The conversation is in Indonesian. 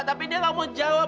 tapi dia gak mau jawab